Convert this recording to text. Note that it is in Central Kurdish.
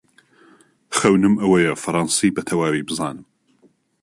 خەونم ئەوەیە فەڕەنسی بەتەواوی بزانم.